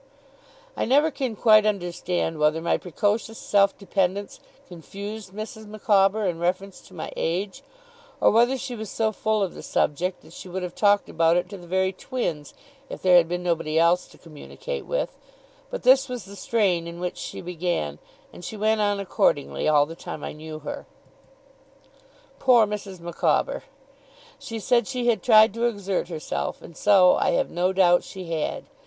I never can quite understand whether my precocious self dependence confused Mrs. Micawber in reference to my age, or whether she was so full of the subject that she would have talked about it to the very twins if there had been nobody else to communicate with, but this was the strain in which she began, and she went on accordingly all the time I knew her. Poor Mrs. Micawber! She said she had tried to exert herself, and so, I have no doubt, she had.